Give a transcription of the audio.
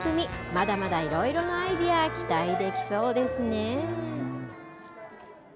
まだまだ、いろいろなアイデア期待できそうですね。